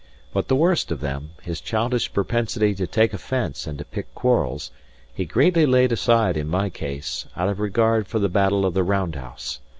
But the worst of them, his childish propensity to take offence and to pick quarrels, he greatly laid aside in my case, out of regard for the battle of the round house.